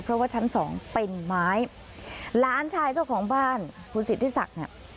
เพราะว่าชั้นสองเป็นไม้หลานชายเจ้าของบ้านคุณสิทธิศักดิ์เนี่ย